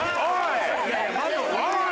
おい！